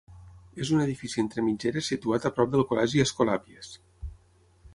És un edifici entre mitgeres situat a prop del col·legi Escolàpies.